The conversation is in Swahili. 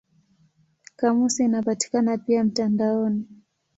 Kamusi inapatikana pia mtandaoni.